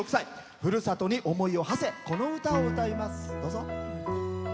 ふるさとに思いをはせこの歌を歌います。